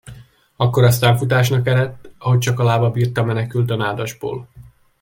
Akkor aztán futásnak eredt, ahogy csak a lába bírta, menekült a nádasból.